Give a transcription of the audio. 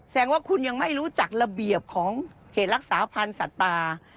แสดงว่าคุณยังไม่รู้จักระเบียบของเขตรักษาพันธ์สัตว์ป่า